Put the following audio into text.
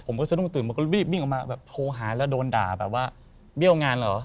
ผมก็ซักนุ่มตื่นหูยิ่งออกมาโทรหาและโดนด่าแบบว่าเบี้ยวงานเหรอ